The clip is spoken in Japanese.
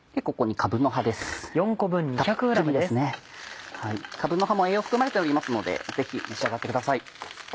かぶの葉も栄養含まれておりますのでぜひ召し上がってください。